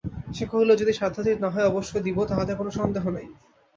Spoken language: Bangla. সে কহিল যদি সাধ্যাতীত না হয় অবশ্য দিব তাহাতে কোন সন্দেহ নাই।